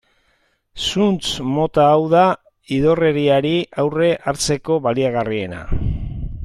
Zuntz mota hau da idorreriari aurre hartzeko baliagarriena.